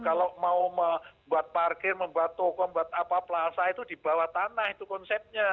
kalau mau membuat parkir membuat toko membuat apa apa pelasa itu dibawah tanah itu konsepnya